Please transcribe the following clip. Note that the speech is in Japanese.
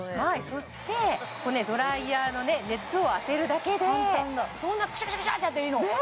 そしてドライヤーの熱を当てるだけでそんなクシャクシャクシャってやっていいの？